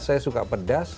saya suka pedas